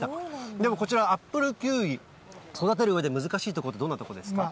でもこちら、アップルキウイ、育てるうえで難しいところってどんなとこですか。